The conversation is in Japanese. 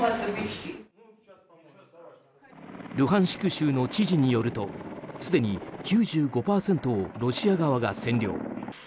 州の知事によるとすでに９５％をロシア側が占領。